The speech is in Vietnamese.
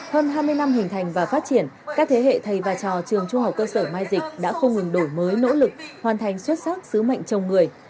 hơn hai mươi năm hình thành và phát triển các thế hệ thầy và trò trường trung học cơ sở mai dịch đã không ngừng đổi mới nỗ lực hoàn thành xuất sắc sứ mệnh chồng người